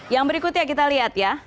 yang berikutnya kita lihat ya